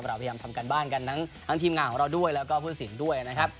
เราพยายามทำการบ้านกันทั้งทีมงานของเราด้วยแล้วก็ผู้สินด้วยนะครับ